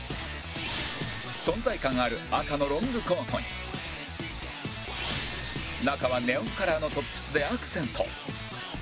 存在感ある赤のロングコートに中はネオンカラーのトップスでアクセント